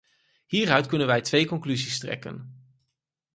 Hieruit kunnen wij twee conclusies trekken.